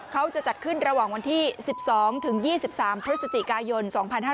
เขาจะจัดขึ้นระหว่างวันที่๑๒ถึง๒๒๓พฤศจิกายน๒๕๕๙